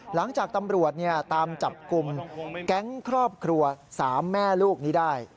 หลังจากตำรวจตามจับกลุ่มแก๊งครอบครัว๓แม่ลูกนี้ได้